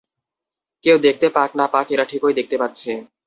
কেউ দেখতে পাক না পাক এরা ঠিকই দেখতে পাচ্ছে।